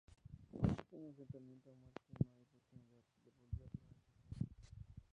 En un enfrentamiento a muerte, no hay oportunidad de "volverlo a intentar.